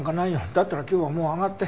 だったら今日はもう上がって。